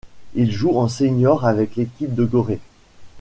Il joue en senior avec l'équipe de Gorée.